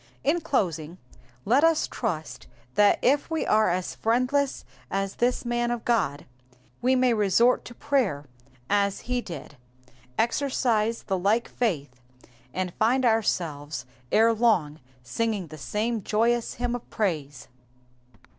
In closing, let us trust that if we are as friendless as thLs man of God, we may resort to prayer as he did, exercise the like faith, and find ourselves ere long singing the same joyous hymn of praise.